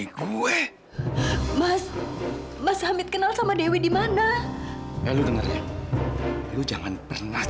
tapi kan semua itu salah mas